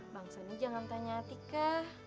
bang sani jangan tanya atika